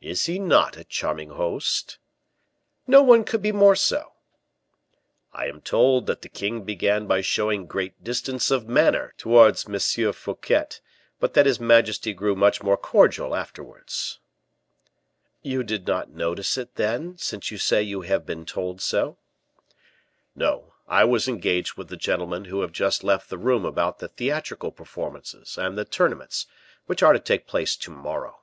"Is he not a charming host?" "No one could be more so." "I am told that the king began by showing great distance of manner towards M. Fouquet, but that his majesty grew much more cordial afterwards." "You did not notice it, then, since you say you have been told so?" "No; I was engaged with the gentlemen who have just left the room about the theatrical performances and the tournaments which are to take place to morrow."